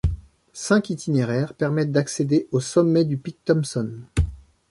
Cinq itinéraires permettent d'accéder au sommet du pic Thompson.